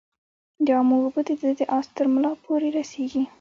د امو اوبه د ده د آس ترملا پوري رسیږي.